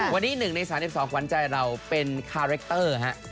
วันนี้๑ใน๓๒ขวัญใจเราเป็นคาแรคเตอร์ฮะ